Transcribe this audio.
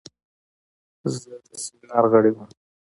زه د سیمینار غړی وم.